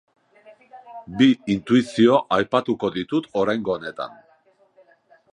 Bi intuizio aipatuko ditut oraingo honetan.